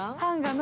何？